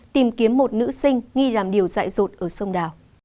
tìm kiếm một nữ sinh nghi làm điều dại rột ở sông đảo